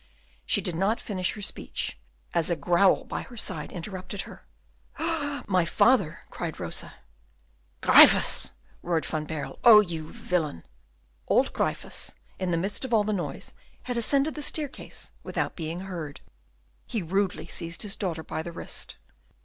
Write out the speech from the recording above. She did not finish her speech, as a growl by her side interrupted her. "My father!" cried Rosa. "Gryphus!" roared Van Baerle. "Oh, you villain!" Old Gryphus, in the midst of all the noise, had ascended the staircase without being heard. He rudely seized his daughter by the wrist.